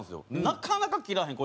なかなか切らへん。